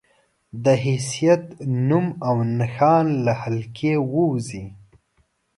د حيثيت، نوم او نښان له حلقې ووځي